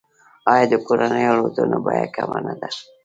آیا د کورنیو الوتنو بیه کمه نه ده؟